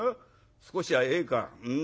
少しはええかうん。